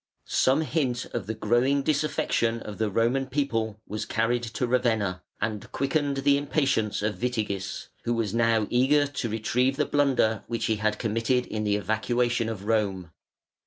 Some hint of the growing disaffection of the Roman people was carried to Ravenna and quickened the impatience of Witigis, who was now eager to retrieve the blunder which he had committed in the evacuation of Rome.